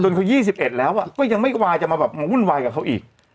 จนเขายี่สิบเอ็ดแล้วอ่ะก็ยังไม่วาจะมาแบบมาวุ่นวายกับเขาอีก